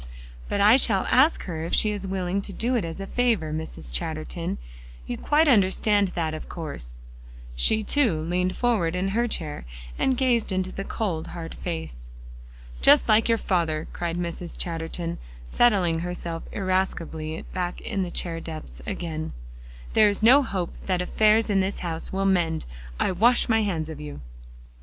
"But I shall ask her if she is willing to do it as a favor, Mrs. Chatterton; you quite understand that, of course?" She, too, leaned forward in her chair, and gazed into the cold, hard face. "Just like your father," cried Mrs. Chatterton, settling herself irascibly back in the chair depths again. "There is no hope that affairs in this house will mend. I wash my hands of you."